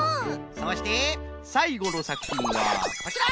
そしてさいごのさくひんはこちら！